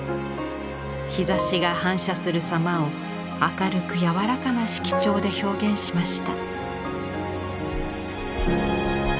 日ざしが反射するさまを明るく柔らかな色調で表現しました。